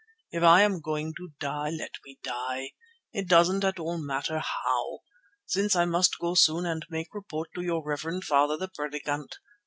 If I am going to die, let me die; it doesn't at all matter how, since I must go soon and make report to your reverend father, the Predikant.